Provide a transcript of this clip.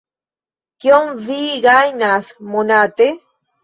Kiom vi gajnas monate?